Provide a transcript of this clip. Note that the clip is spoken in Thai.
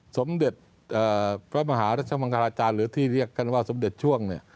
สมเด็จพระมหารัชมังคลาจารย์หรือที่เรียกกันว่าสมเด็จช่วง